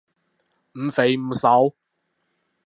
唔肥唔瘦